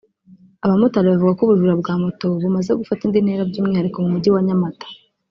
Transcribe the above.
Abamotari bavuga ko ubujura bwa Moto bumaze gufata indi ntera by’umwihariko mu mujyi wa Nyamata